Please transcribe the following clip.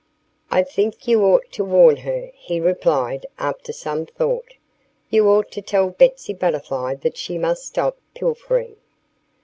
"I think you ought to warn her," he replied, after some thought. "You ought to tell Betsy Butterfly that she must stop pilfering."